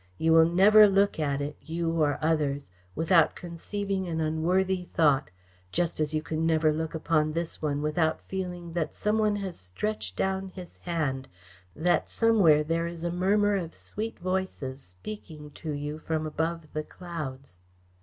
You will never look at it, you or others, without conceiving an unworthy thought, just as you could never look upon this one without feeling that some one has stretched down his hand, that somewhere there is a murmur of sweet voices speaking to you from above the clouds."